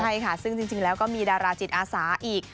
ใช่ค่ะซึ่งจริงแล้วก็มีดาราจิตอาสาอีก